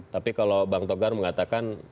tapi kalau bang togar mengatakan